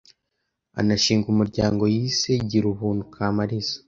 anashinga umuryango yise ‘Girubuntu Kamaliza